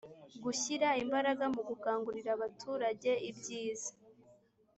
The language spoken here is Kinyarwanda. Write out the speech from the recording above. gushyira imbaraga mu gukangurira abaturage ibyiza